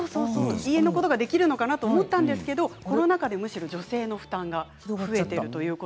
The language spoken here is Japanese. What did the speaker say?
家のことができるかなと思ったんですがコロナ禍でむしろ女性の負担が増えています。